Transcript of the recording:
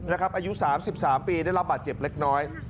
อายุ๓๓ปีได้รับบาดเจ็บเล็กน้อย